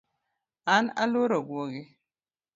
An aluoro gwogi